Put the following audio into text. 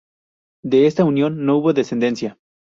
De esta unión no hubo descendencia.